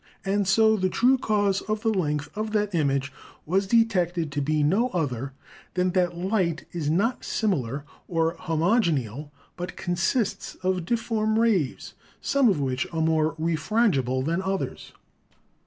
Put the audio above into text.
"And so the true cause of the length of that image was detected to be no other than that light is not similar or homogeneal, but consists of difform rays, some of which are more refran gible than others."